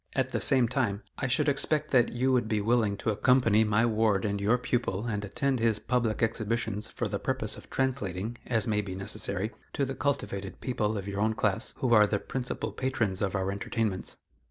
At the same time, I should expect that you would be willing to accompany my ward and your pupil and attend his public exhibitions for the purpose of translating, as may be necessary, to the cultivated people of your own class who are the principal patrons of our entertainments."